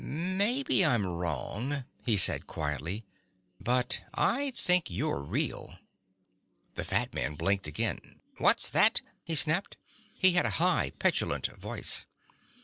"Maybe I'm wrong," he said quietly, "but I think you're real." The fat man blinked again. "What's that?" he snapped. He had a high petulant voice.